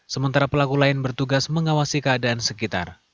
sementara pelaku lain bertugas mengawasi keadaan sekitar